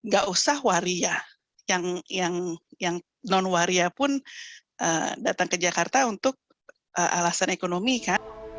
gak usah waria yang non waria pun datang ke jakarta untuk alasan ekonomi kan